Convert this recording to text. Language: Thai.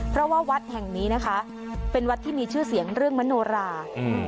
เพราะว่าวัดแห่งนี้นะคะเป็นวัดที่มีชื่อเสียงเรื่องมโนราอืม